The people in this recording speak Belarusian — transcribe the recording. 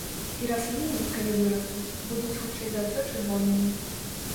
І расліны, калі вырастуць, будуць хутчэй за ўсё чырвонымі.